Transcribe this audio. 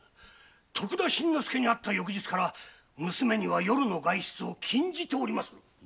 徳田新之助に会った翌日から娘には夜の外出を禁じております。